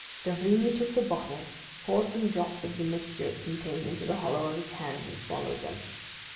D'Avrigny took the bottle, poured some drops of the mixture it contained in the hollow of his hand, and swallowed them.